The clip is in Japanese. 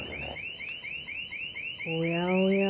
おやおや？